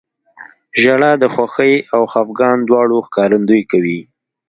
• ژړا د خوښۍ او خفګان دواړو ښکارندویي کوي.